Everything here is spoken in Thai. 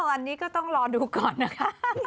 วันนี้ก็ต้องรอดูก่อนนะคะ